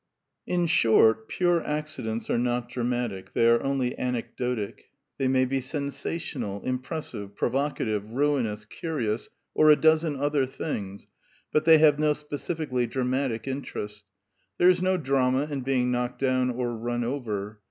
In short, pure accidents are not dramatic : they are only anecdotic. They may be sensational, im pressive, provocative, ruinous, curious, or a dozen other things; but they have no specifically dra matic interest. There is no drama in being knocked down or run over.